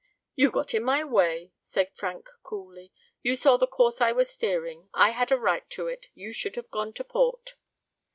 "You got in my way," said Frank coolly. "You saw the course I was steering. I had a right to it. You should have gone to port."